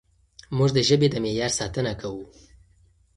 موږ د ژبې د معیار ساتنه کوو.